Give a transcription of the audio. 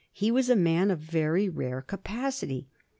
He was a man of very rare capacity.